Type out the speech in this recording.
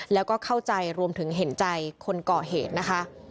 แล้วก็เข้าใจรวมถึงเห็นใจคนก่อเหตุนะคะ